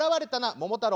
「桃太郎。